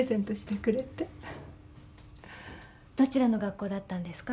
どちらの学校だったんですか？